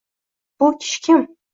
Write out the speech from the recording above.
Bu kishi kim?